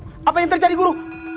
pokok pokok guru apa yang terjadi guru